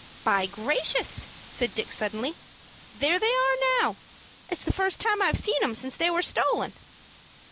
"By gracious!" said Dick, suddenly, "there they are now. It's the first time I've seen 'em since they was stolen."